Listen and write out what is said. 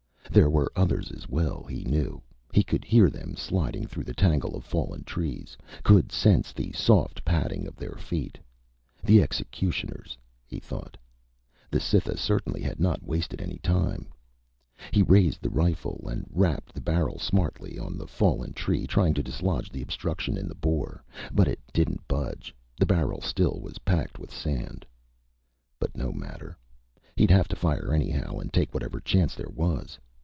There were others as well, he knew. He could hear them sliding through the tangle of fallen trees, could sense the soft padding of their feet. The executioners, he thought. The Cytha certainly had not wasted any time. He raised the rifle and rapped the barrel smartly on the fallen tree, trying to dislodge the obstruction in the bore. But it didn't budge; the barrel still was packed with sand. But no matter he'd have to fire anyhow and take whatever chance there was.